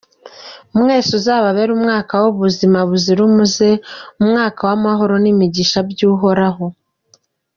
Mwese uzababere umwaka w’ubuzima buzira umuze, umwaka w’amahoro n’imigisha by’Uhoraho.